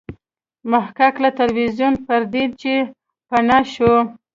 محقق له ټلویزیون پردې چې پناه شو.